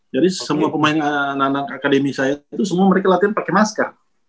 jadi semua pemain akademi saya itu semua mereka latihan pakai masker